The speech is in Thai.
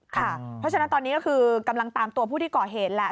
เพราะฉะนั้นตอนนี้ก็คือกำลังตามตัวผู้ที่ก่อเหตุแหละ